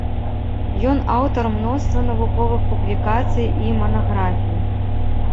Ён аўтар мноства навуковых публікацый і манаграфій.